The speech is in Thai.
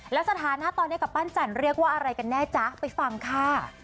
แล้วสถานะตอนนี้กับปั้นจันเรียกว่าอะไรกันแน่จ๊ะไปฟังค่ะ